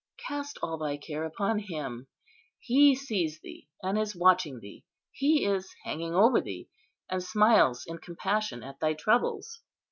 Cast all thy care upon Him. He sees thee, and is watching thee; He is hanging over thee, and smiles in compassion at thy troubles.